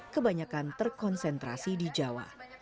kebanyakan terkonsentrasi di jawa